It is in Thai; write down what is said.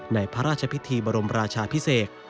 ในพระราชพิธีบรมราชาพิเศษ